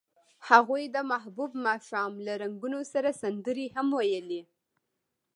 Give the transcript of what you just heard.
هغوی د محبوب ماښام له رنګونو سره سندرې هم ویلې.